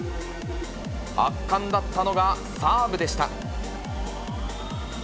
圧巻だったのがサーブでした。